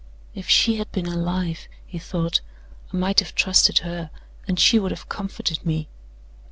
"If she had been alive," he thought, "I might have trusted her, and she would have comforted me."